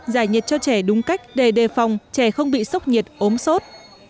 giải nhiệt cho trẻ đúng cách để đề phòng trẻ không bị sốc nhiệt ốm sốt